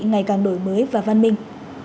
ngày càng đổi mới và văn minh